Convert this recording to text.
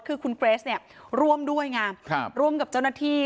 คือคุณเกรสเนี่ยร่วมด้วยไงร่วมกับเจ้าหน้าที่